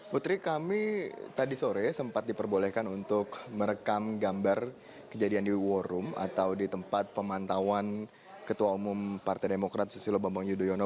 putri kami tadi sore sempat diperbolehkan untuk merekam gambar kejadian di war room atau di tempat pemantauan ketua umum partai demokrat susilo bambang yudhoyono